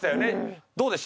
どうでした？